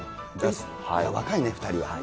若いね、２人は。